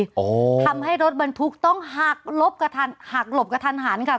ทำให้รถบรรทุกต้องหักหลบกระทันหันค่ะ